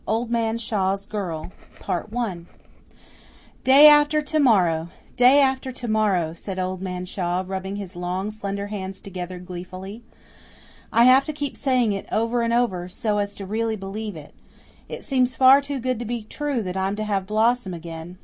Old Man Shaw's Girl "Day after to morrow day after to morrow," said Old Man Shaw, rubbing his long slender hands together gleefully. "I have to keep saying it over and over, so as to really believe it. It seems far too good to be true that I'm to have Blossom again.